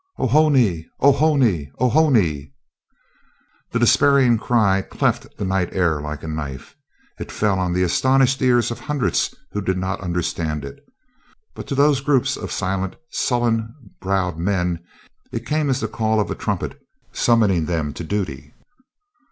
"Oho ne! Oho ne! Oho ne!" The despairing cry cleft the night air like a knife. It fell on the astonished ears of hundreds who did not understand it. But to those groups of silent, sullen browed men it came as the call of a trumpet, summoning them to duty.